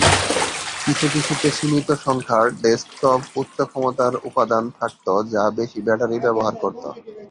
কিছু কিছুতে সীমিত সংখ্যার ডেস্কটপ উচ্চ ক্ষমতার উপাদান থাকত যা বেশি ব্যাটারি ব্যবহার করত।